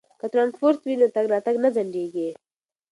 که ترانسپورت وي نو تګ راتګ نه ځنډیږي.